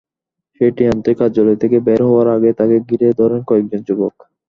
সেটি আনতে কার্যালয় থেকে বের হওয়ার আগেই তাঁকে ঘিরে ধরেন কয়েকজন যুবক।